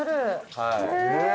はい。